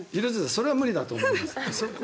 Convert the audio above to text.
それは無理だと思います。